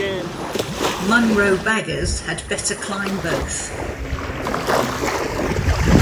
Munro baggers had better climb both.